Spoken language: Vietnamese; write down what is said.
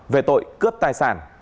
về tội cướp tài sản